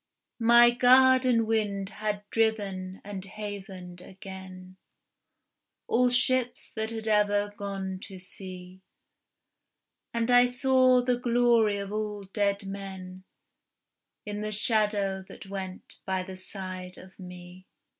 My garden wind had driven and havened again All ships that ever had gone to sea, And I saw the glory of all dead men In the shadow that went by the side of me.